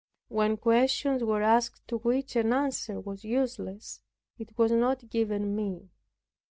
When questions were asked, to which an answer were useless, it was not given me.